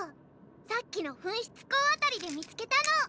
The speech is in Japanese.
さっきの噴出孔辺りで見つけたの！